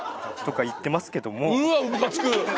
うわっムカつく！